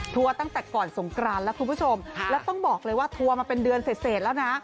ตั้งแต่ก่อนสงกรานแล้วคุณผู้ชมแล้วต้องบอกเลยว่าทัวร์มาเป็นเดือนเสร็จแล้วนะ